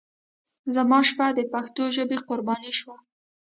زما شپه د پښتو ژبې قرباني شوه.